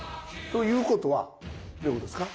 ということはどういうことですか？